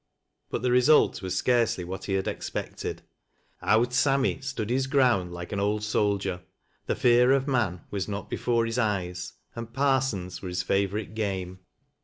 But the result was scarcely what he had expected. 'Owd Sammy' stood his ground like an eld soldier. The fear of man was not before his eyes, and ' parsens ' were his favorite game.